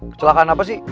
kecelakaan apa sih